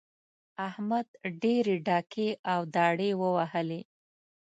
احمد ډېرې ډاکې او داړې ووهلې.